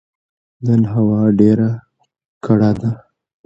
نن هوا ډيره کړه ده